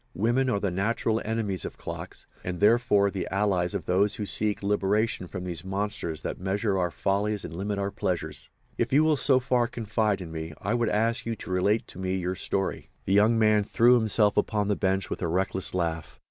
Women are the natural enemies of clocks, and, therefore, the allies of those who would seek liberation from these monsters that measure our follies and limit our pleasures. If you will so far confide in me I would ask you to relate to me your story." The young man threw himself upon the bench with a reckless laugh.